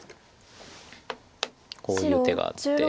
こういう手があって。